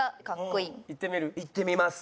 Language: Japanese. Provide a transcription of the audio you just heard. いってみます。